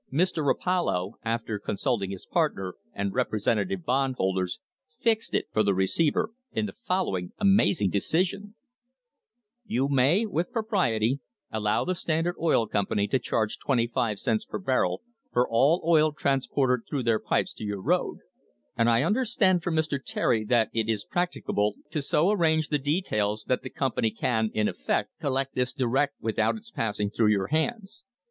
* Mr. Rapallo, after consulting his partner and "represen tative bondholders," "fixed it" for the receiver in the follow ing amazing decision: "You may, with propriety, allow the Standard Oil Company to charge twenty five cents per barrel for all oil transported through their pipes to your road; and I under stand from Mr. Terry that it is practicable to so arrange the details that the company can, in effect, collect this direct without its passing through your hands.